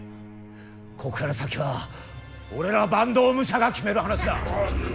こっから先は俺ら坂東武者が決める話だ。